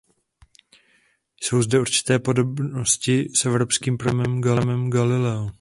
Jsou zde určité podobnosti s evropským programem Galileo.